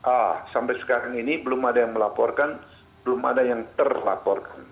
ah sampai sekarang ini belum ada yang melaporkan belum ada yang terlaporkan